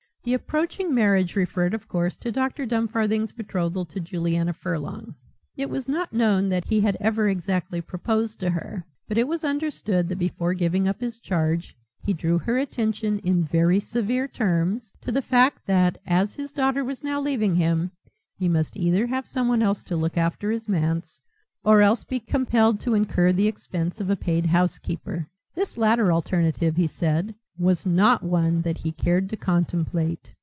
The "approaching marriage" referred of course to Dr. Dumfarthing's betrothal to Juliana Furlong. It was not known that he had ever exactly proposed to her. But it was understood that before giving up his charge he drew her attention, in very severe terms, to the fact that, as his daughter was now leaving him, he must either have someone else to look after his manse or else be compelled to incur the expense of a paid housekeeper. This latter alternative, he said, was not one that he cared to contemplate.